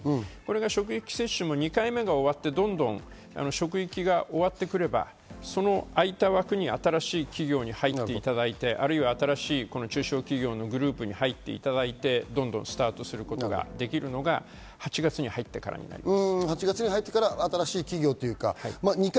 職域接種の２回目が終わってどんどん終わってくれば、その空いた枠に新しい企業に入っていただいてあるいは新しい中小企業のグループに入っていただいて、どんどんスタートすることができるのが８月に入ってからになります。